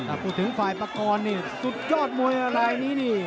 ถูกถึงฝ่ายประกอดนี่สุดยอดมวยอะไรนี้นี่